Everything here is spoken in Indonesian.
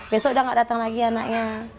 besok udah gak datang lagi anaknya